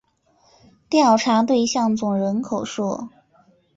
调查对象总人口数